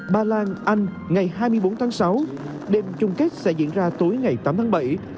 ba lan anh ngày hai mươi bốn tháng sáu đêm chung kết sẽ diễn ra tối ngày tám tháng bảy